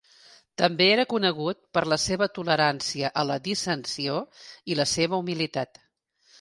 També era conegut per la seva tolerància a la dissensió i la seva humilitat.